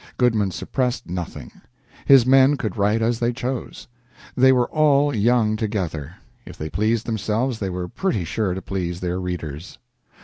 Goodman suppressed nothing; his men could write as they chose. They were all young together if they pleased themselves, they were pretty sure to please their readers.